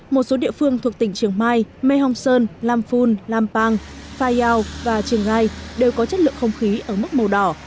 một số địa phương thuộc tỉnh chiang mai mae hong son lam phun lam pang phai yau và chiang rai đều có chất lượng không khí ở mức màu đỏ